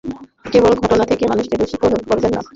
কেবল ঘটনা থেকে মানুষকে দোষী করবেন না।